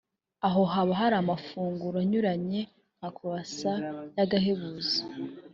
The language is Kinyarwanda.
aho haba hari amafunguro anyuranye nka Croissant y’agahebuzo